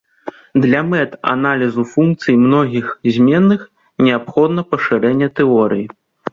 Для мэт аналізу функцый многіх зменных неабходна пашырэнне тэорыі.